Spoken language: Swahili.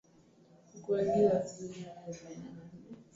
Ukuaji wa asilimia arobaini na nne